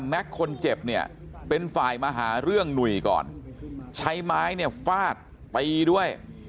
คนเจ็บเนี่ยเป็นฝ่ายมาหาเรื่องหนุ่ยก่อนใช้ไม้เนี่ยฟาดตีด้วย